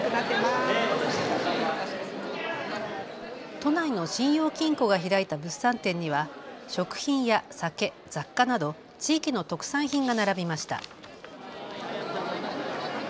都内の信用金庫が開いた物産展には食品や酒、雑貨など地域の特産品が並びました。